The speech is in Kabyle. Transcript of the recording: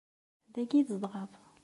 Dagi i tzedɣeḍ?